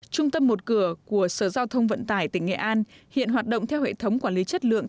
trung tâm một cửa của sở giao thông vận tải tỉnh nghệ an hiện hoạt động theo hệ thống quản lý chất lượng